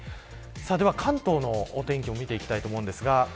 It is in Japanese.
では関東のお天気を見ていきたいと思います。